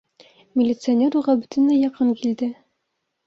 Милиционер уға бөтөнләй яҡын килде.